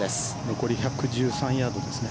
残り１１３ヤードですね。